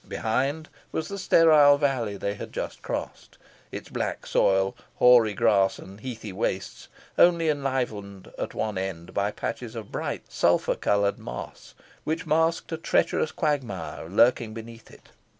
Behind was the sterile valley they had just crossed, its black soil, hoary grass, and heathy wastes, only enlivened at one end by patches of bright sulphur coloured moss, which masked a treacherous quagmire lurking beneath it.